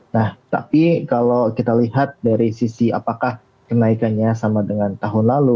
nah tapi kalau kita lihat dari sisi apakah kenaikannya sama dengan tahun lalu